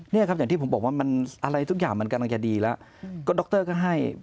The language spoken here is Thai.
เนี่ยครับอย่างที่ผมบอกว่ามันอะไรทุกอย่างมันกำลังจะดีแล้วก็ดรก็ให้